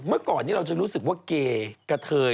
เมื่อก่อนนี้เราจะรู้สึกว่าเกกะเทย